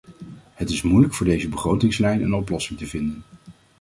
Het is moeilijk voor deze begrotingslijn een oplossing te vinden.